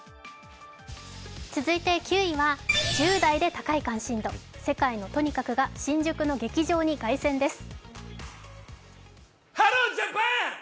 続いて９位は１０代で高い関心度、世界のトニカクが新宿の劇場に凱旋です。